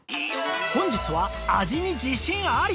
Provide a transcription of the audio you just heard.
本日は味に自信あり！